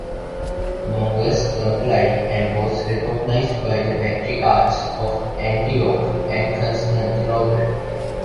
Mongus complied and was recognized by the Patriarchs of Antioch and Constantinople.